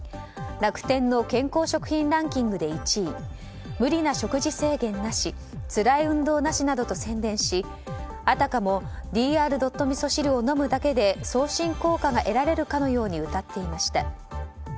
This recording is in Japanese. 楽天の健康食品ランキングで１位無理な食事制限なしつらい運動なしなどと宣伝しあたかもＤｒ．味噌汁を飲むだけで痩身効果が得られるかのようにうたっていました。